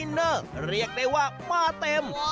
เนอร์เรียกได้ว่ามาเต็ม